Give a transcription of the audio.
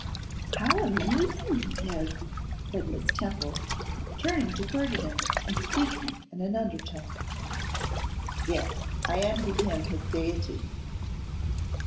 'How amusing he is!' said Miss Temple, turning to Ferdinand, and speaking in an undertone. 'Yes; I envy him his gaiety.